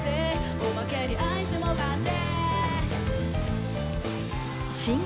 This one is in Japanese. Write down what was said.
「おまけにアイスも買って」